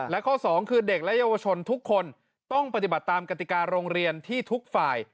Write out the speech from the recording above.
และข้อสองคือเด็กและเยาวชนทุกคนต้องปฏิบัติตามกติกาโรงเรียนที่ทุกฝ่าย